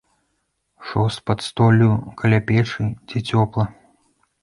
Шост пад столлю, каля печы, дзе цёпла.